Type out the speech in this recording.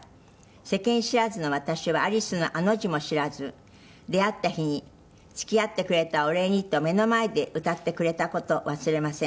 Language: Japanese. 「世間知らずの私はアリスのアの字も知らず出会った日に付き合ってくれたお礼にと目の前で歌ってくれた事忘れません」